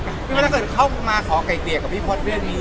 พี่พ่อถ้าเกิดเข้ามาขอไก่เกียรติกับพี่พ่อเรื่องนี้